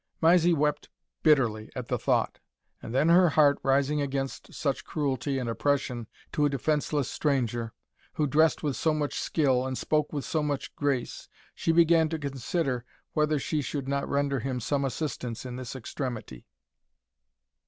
Mysie wept bitterly at the thought, and then her heart rising against such cruelty and oppression to a defenceless stranger, who dressed with so much skill, and spoke with so much grace, she began to consider whether she could not render him some assistance in this extremity.